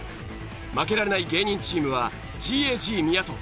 負けられない芸人チームはＧＡＧ宮戸。